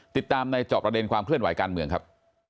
ติดตามในจอบประเด็นความเคลื่อนไหวการเมืองครับ